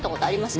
あっ。